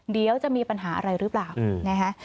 เดี๋ยวจะมีปัญหาอะไรหรือเปล่านะฮะ